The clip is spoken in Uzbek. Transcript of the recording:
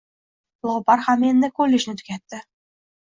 Lobar ham endi kollejni tugatdi